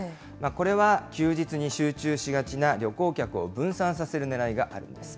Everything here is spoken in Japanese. これは休日に集中しがちな旅行客を分散させるねらいがあるんです。